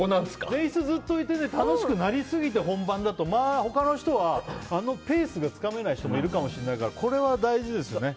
前室にずっといて楽しくなりすぎて本番だとまあ、他の人は場のペースがつかめない人もいるかもしれないからこれは大事ですよね。